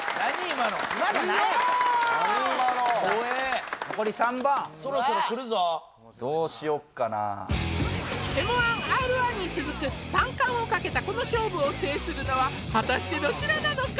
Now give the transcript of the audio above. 今の怖えそろそろ来るぞどうしよっかなＭ−１Ｒ−１に続く３冠をかけたこの勝負を制するのは果たしてどちらなのか？